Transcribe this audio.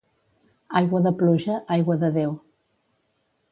Aigua de pluja, aigua de Déu.